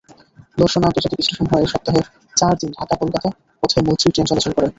দর্শনা আন্তর্জাতিক স্টেশন হয়ে সপ্তাহে চার দিন ঢাকা-কলকাতা পথে মৈত্রী ট্রেন চলাচল করে।